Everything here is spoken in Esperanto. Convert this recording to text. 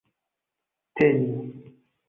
teni